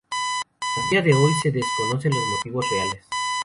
A día de hoy se desconocen los motivos reales.